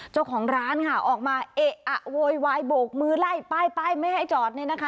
เจ้าของร้านค่ะออกมาเอ๊ะอะโวยวายโบกมือไล่ป้ายป้ายไม่ให้จอดเนี่ยนะคะ